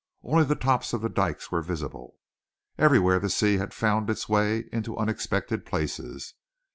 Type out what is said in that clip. Only the tops of the dykes were visible. Everywhere the sea had found its way into unexpected places.